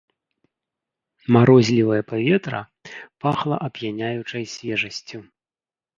Марозлівае паветра пахла ап'яняючай свежасцю.